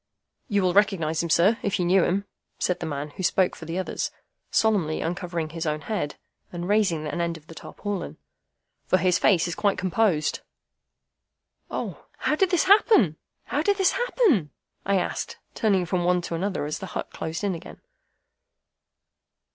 "You will recognise him, sir, if you knew him," said the man who spoke for the others, solemnly uncovering his own head, and raising an end of the tarpaulin, "for his face is quite composed." "O, how did this happen, how did this happen?" I asked, turning from one to another as the hut closed in again.